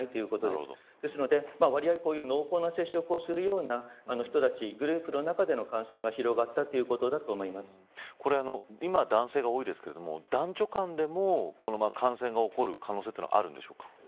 ですので、わりあい濃厚な接触をするような人たちグループの中での感染が広がった今は男性が多いですけど男女間でも、感染が起こる可能性というのはあるんですか。